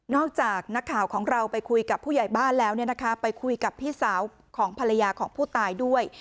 จากนักข่าวของเราไปคุยกับผู้ใหญ่บ้านแล้วไปคุยกับพี่สาวของภรรยาของผู้ตายด้วย